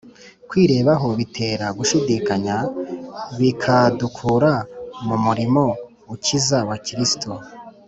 Kwirebaho bitera gushidikanya bikadukura mu murimo ukiza wa Kristo.